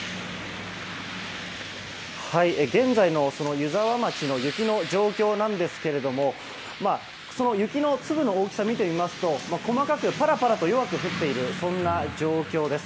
現在の湯沢町の雪の状況なんですが雪の粒の大きさを見てみますと細かくパラパラと弱く降っているそんな状況です。